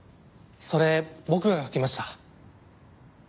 それ僕が描きました。